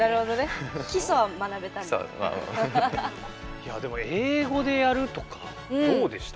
いやでも英語でやるとかどうでした？